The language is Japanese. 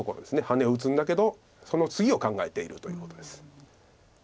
ハネを打つんだけどその次を考えているということです。